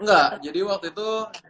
enggak jadi waktu itu